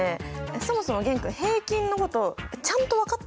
そもそも玄君平均のことちゃんと分かってる？